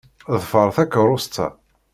Ḍfeṛ takeṛṛust-a.